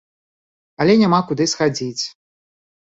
Але няма куды схадзіць.